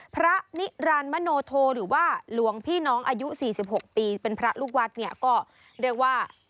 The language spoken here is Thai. พระนิรันดิมโนโทหรือว่าหลวงพี่น้องอายุ๔๖ปีเป็นพระลูกวัดเนี่ยก็เรียกว่า